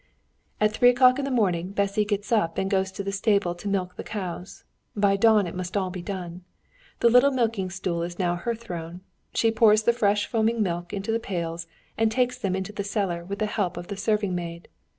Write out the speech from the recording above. "At three o'clock in the morning Bessy gets up and goes into the stable to milk the cows; by dawn it must be all done. The little milking stool is now her throne. She pours the fresh foaming milk into the pails and takes them into the cellar with the help of the serving maid.